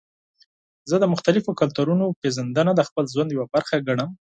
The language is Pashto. زه د مختلفو کلتورونو پیژندنه د خپل ژوند یوه برخه ګڼم.